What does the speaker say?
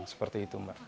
seperti itu mbak